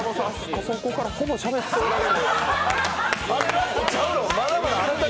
あそこから、ほぼしゃべっておらへん。